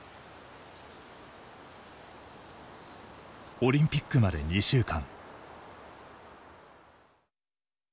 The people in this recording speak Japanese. オリンピックまで２週間。